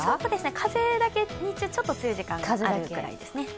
風だけ日中ちょっと強い時間帯があるくらいですね。